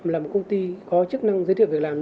là một công ty có chức năng giới thiệu việc làm